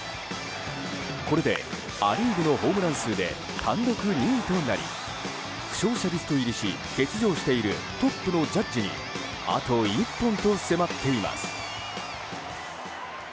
これでア・リーグのホームラン数で単独２位となり負傷者リスト入りし欠場しているトップのジャッジにあと１本と迫っています。